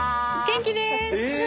元気です！